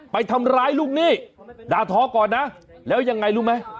ไปทำร้ายลูกหนี้ด่าทอก่อนนะแล้วยังไงรู้ไหม